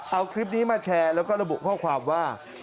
เอาคลิปนี้มาแชร์แล้วก็ระบุข้อความว่า